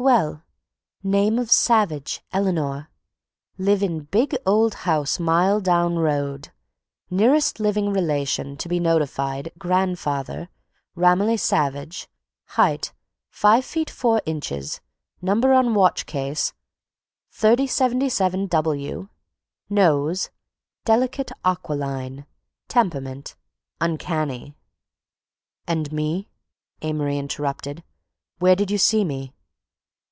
"Well—name of Savage, Eleanor; live in big old house mile down road; nearest living relation to be notified, grandfather—Ramilly Savage; height, five feet four inches; number on watch case, 3077 W; nose, delicate aquiline; temperament, uncanny—" "And me," Amory interrupted, "where did you see me?"